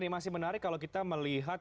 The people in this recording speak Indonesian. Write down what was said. ini masih menarik kalau kita melihat